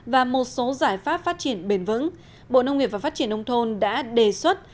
và một số giải pháp phát triển bền vững bộ nông nghiệp và phát triển nông thôn đã đề xuất